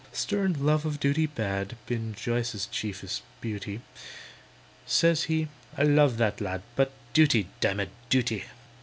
Stern love of duty had Been JOYCE'S chiefest beauty; Says he, "I love that lad, But duty, damme! duty!